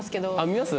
見ます？